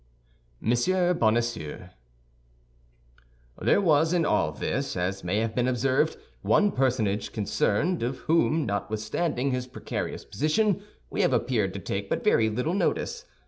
MONSIEUR BONACIEUX There was in all this, as may have been observed, one personage concerned, of whom, notwithstanding his precarious position, we have appeared to take but very little notice.